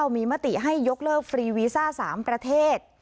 มีมติให้ยกเลิกฟรีวีซ่า๓ประเทศ